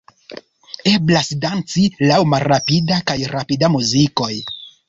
Eblas danci laŭ malrapida kaj rapida muzikoj.